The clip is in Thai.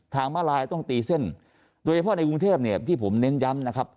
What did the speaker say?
มาลายต้องตีเส้นโดยเฉพาะในกรุงเทพเนี่ยที่ผมเน้นย้ำนะครับ